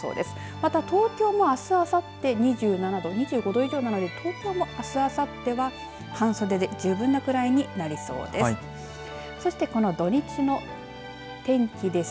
また東京もあすあさって２７度、２５度以上の東京もあすあさっては半袖で十分なくらいになりそうです。